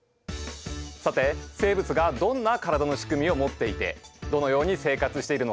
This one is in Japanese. さて生物がどんな体の仕組みを持っていてどのように生活しているのか。